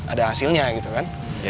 ada hasilnya gitu kan